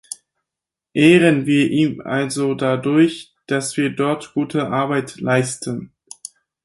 Ehren wir ihn also dadurch, dass wir dort gute Arbeit leisten!